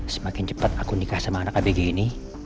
semakin cepat aku nikah sama anak abg ini